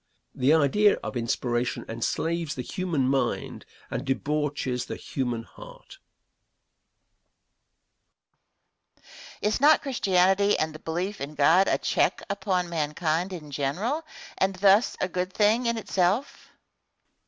The idea of inspiration enslaves the human mind and debauches the human heart. Question. Is not Christianity and the belief in God a check upon mankind in general and thus a good thing in itself?